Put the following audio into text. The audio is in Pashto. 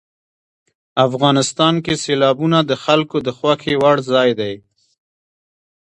افغانستان کې سیلابونه د خلکو د خوښې وړ ځای دی.